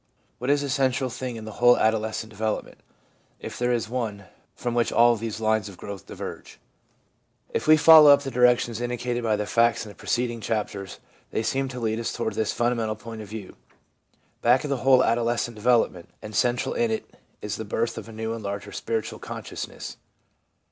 What is the central thing in the whole adolescent development, if there is one, from which all these lines of growth diverge ? If we follow up the directions indicated by the facts in the preceding chapters, they seem to lead us toward this fundamental point of view : back of the whole adoles cent development, and central in it, is the birth of a new and larger spiritual consciousness.